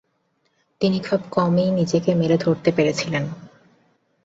তিনি খুব কমই নিজেকে মেলে ধরতে পেরেছিলেন।